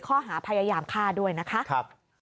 ข้อหาพยายามฆ่าด้วยนะคะ